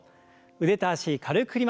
腕と脚軽く振ります。